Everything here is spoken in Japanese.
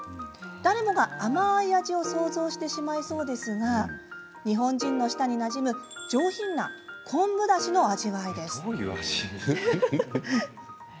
誰もが、甘い味を想像してしまいそうですが日本人の舌になじむ上品な昆布だしの味わいです。